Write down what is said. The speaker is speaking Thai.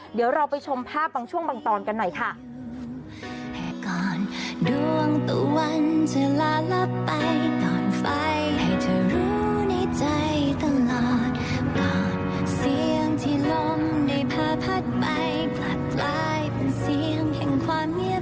เดี๋ยวเราไปชมภาพบางช่วงบางตอนกันหน่อยค่ะ